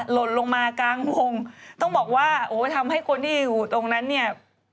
หล่นลงมากลางวงต้องบอกว่าโอ้ทำให้คนที่อยู่ตรงนั้นเนี่ย